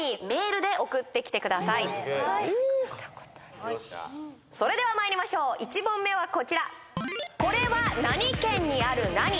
メールではいよしそれではまいりましょう１問目はこちらこれは何県にある何？